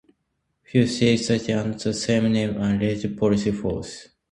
Few still exist under the same name as legitimate police forces.